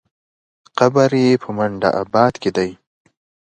قبر یې په منډآباد کې دی.